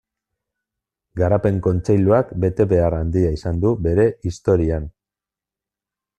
Garapen Kontseiluak betebehar handia izan du bere historian.